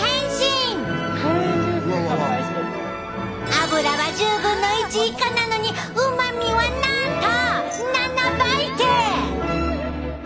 脂は１０分の１以下なのにうまみはなんと７倍て！